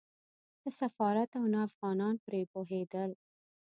نه سفارت او نه افغانان پرې پوهېدل.